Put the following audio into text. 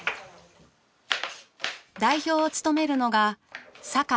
代表を務めるのが酒井浩美さん。